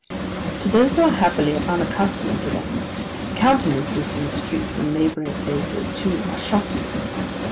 To those who are happily unaccustomed to them, the countenances in the streets and labouring places, too, are shocking.